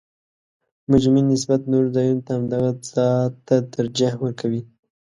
مجرمین نسبت نورو ځایونو ته همدغه ځا ته ترجیح ورکوي